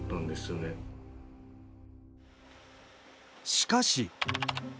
しかし。